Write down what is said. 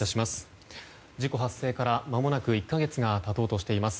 事故発生からまもなく１か月が経とうとしています。